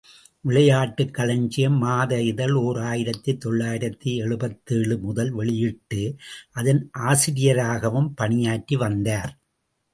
விளையாட்டுக் களஞ்சியம் மாத இதழ் ஓர் ஆயிரத்து தொள்ளாயிரத்து எழுபத்தேழு முதல் வெளியிட்டு, அதன் ஆசிரியராகவும் பணியாற்றி வந்தார்.